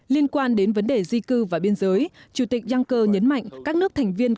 liên quan đến vấn đề di cư và biên giới chủ tịch yungcker nhấn mạnh các nước thành viên